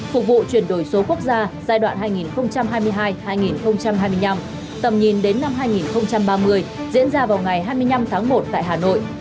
phục vụ chuyển đổi số quốc gia giai đoạn hai nghìn hai mươi hai hai nghìn hai mươi năm tầm nhìn đến năm hai nghìn ba mươi diễn ra vào ngày hai mươi năm tháng một tại hà nội